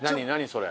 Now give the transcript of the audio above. それ。